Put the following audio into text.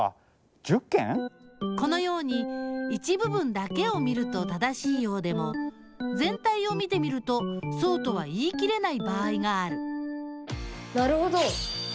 このように一部分だけを見ると正しいようでもぜん体を見てみるとそうとは言い切れない場合があるなるほど！